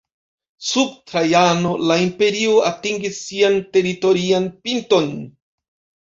Sub Trajano, la imperio atingis sian teritorian pinton.